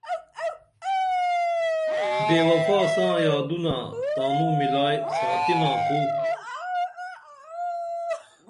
بے وفا ساں یادونہ تانو ملائی ساتِنا کُو